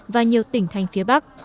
và nhiều tỉnh thành phía bắc